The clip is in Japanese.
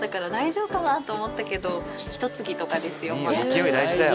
勢い大事だよ。